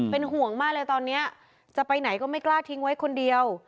เป็นห่วงมากเลยตอนนี้จะไปไหนก็ไม่กล้าทิ้งไว้คนเดียว